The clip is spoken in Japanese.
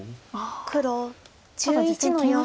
黒１１の四。